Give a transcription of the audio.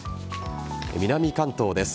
南関東です。